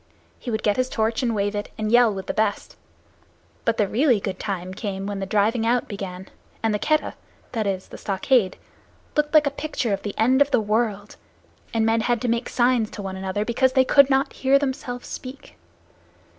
He would get his torch and wave it, and yell with the best. But the really good time came when the driving out began, and the Keddah that is, the stockade looked like a picture of the end of the world, and men had to make signs to one another, because they could not hear themselves speak.